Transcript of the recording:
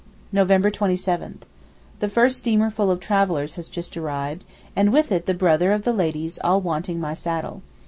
November 27.—The first steamer full of travellers has just arrived, and with it the bother of the ladies all wanting my saddle.